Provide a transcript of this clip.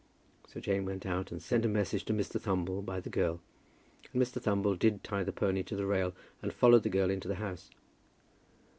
So Jane went out and sent a message to Mr. Thumble by the girl, and Mr. Thumble did tie the pony to the rail, and followed the girl into the house.